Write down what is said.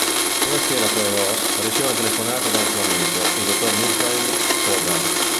Una sera Poirot riceve una telefonata da un suo amico, il dottor Michael Stoddart.